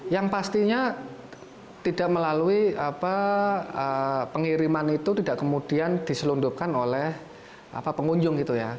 yang pastinya tidak melalui pengiriman itu tidak kemudian diselundupkan oleh pengunjung gitu ya